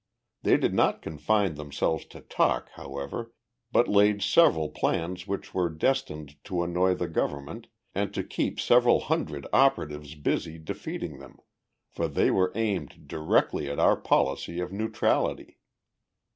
They did not confine themselves to talk, however, but laid several plans which were destined to annoy the government and to keep several hundred operatives busy defeating them for they were aimed directly at our policy of neutrality.